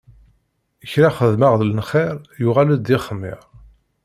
Kra xedmeɣ n lxiṛ, yuɣal-d d ixmiṛ.